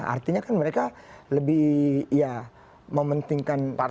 artinya kan mereka lebih ya mementingkan partai